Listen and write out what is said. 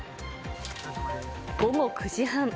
午後９時半。